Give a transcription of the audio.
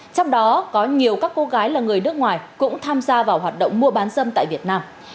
trong đó có nhiều các cô gái là người nước ngoài cũng tham gia vào hoạt động mua bán dâm tại việt nam